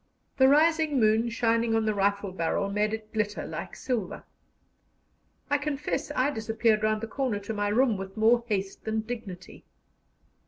The rising moon shining on the rifle barrel made it glitter like silver. I confess I disappeared round the corner to my room with more haste than dignity.